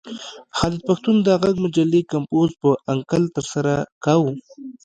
خالد پښتون د غږ مجلې کمپوز په انکل ترسره کاوه.